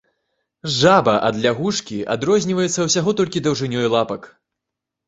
Жаба ад лягушкі адрозніваецца ўсяго толькі даўжынёй лапак.